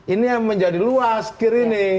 ini yang menjadi luas kir ini